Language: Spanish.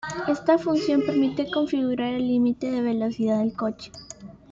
Esta función permite configurar el límite de velocidad del coche.